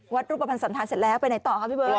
รูปภัณฑ์สันธารเสร็จแล้วไปไหนต่อครับพี่เบิร์